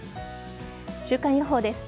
週間予報です。